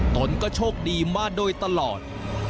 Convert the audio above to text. ตนก็โชคดีมาโดยตลอด